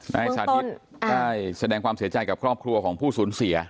นายสาธิตได้แสดงความเสียใจกับครอบครัวของผู้สูญเสีย